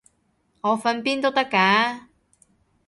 我瞓邊都得㗎